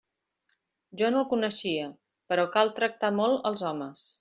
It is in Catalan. Jo no el coneixia, però cal tractar molt els homes.